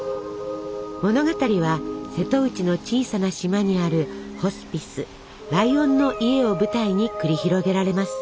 物語は瀬戸内の小さな島にあるホスピス「ライオンの家」を舞台に繰り広げられます。